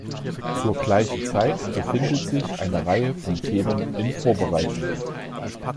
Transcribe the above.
Zur gleichen Zeit befindet sich eine Reihe von Themen in Vorbereitung.